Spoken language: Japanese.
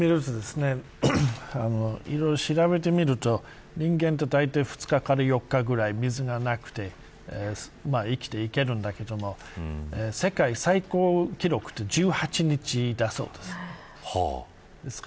いろいろ調べてみると人間はだいたい２日から４日くらい水がない状態でも生きていけるんですが世界最高記録は１８日だそうです。